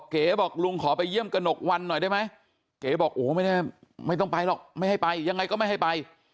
เก๋บอกลุงขอไปเยี่ยมกระหนกวันหน่อยได้ไหมเก๋บอกโอ้ไม่ได้ไม่ต้องไปหรอกไม่ให้ไปยังไงก็ไม่ให้ไป